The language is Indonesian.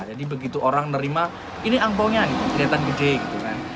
jadi begitu orang nerima ini angpaunya kelihatan gede gitu kan